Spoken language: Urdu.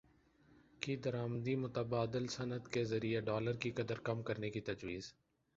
کی درامدی متبادل صنعت کے ذریعے ڈالر کی قدر کم کرنے کی تجویز